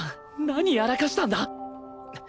何やらかしたんだ！？